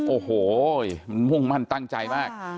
โอ้โหมันมุ่งมั่นตั้งใจมาก